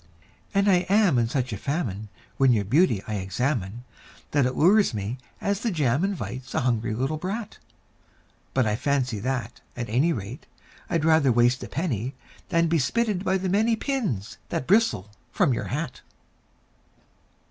And I am in such a famine when your beauty I examine That it lures me as the jam invites a hungry little brat; But I fancy that, at any rate, I'd rather waste a penny Than be spitted by the many pins that bristle from your hat.